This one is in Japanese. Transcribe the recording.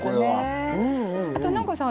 あと南光さん